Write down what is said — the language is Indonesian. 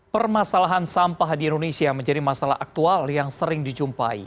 permasalahan sampah di indonesia menjadi masalah aktual yang sering dijumpai